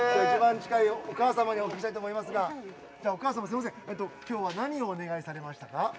一番近いお母様にお聞きしたいと思いますがきょうは何をお願いしましたか？